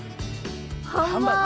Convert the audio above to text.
ハンバーグ！